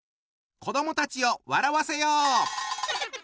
子どもたちを笑わせよう！